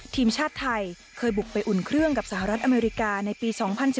ทีมชาติไทยเคยบุกไปอุ่นเครื่องกับสหรัฐอเมริกาในปี๒๐๑๙